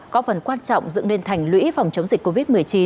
có phần quan trọng dựng nên thành lũy phòng chống dịch covid một mươi chín